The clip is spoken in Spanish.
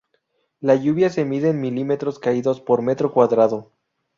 La lluvia se mide en milímetros caídos por metro cuadrado.